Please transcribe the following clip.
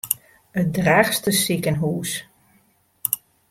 It Drachtster sikehûs.